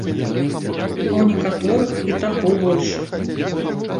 А ў некаторых і таго больш.